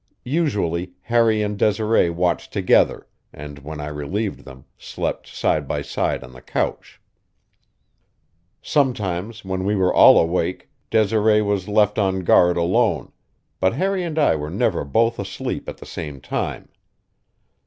Usually Harry and Desiree watched together, and, when I relieved them, slept side by side on the couch. Sometimes, when we were all awake, Desiree was left on guard alone; but Harry and I were never both asleep at the same time.